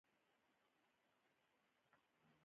وزې له خطره ژر خبرداری احساسوي